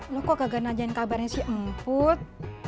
lo kok kagak nanyain kabarnya si meput